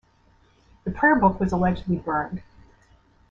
The prayer book was allegedly burned.